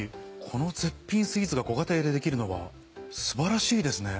この絶品スイーツがご家庭でできるのは素晴らしいですね。